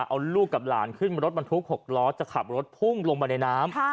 เอาลูกกับหลานขึ้นรถบรรทุก๖ล้อจะขับรถพุ่งลงมาในน้ำ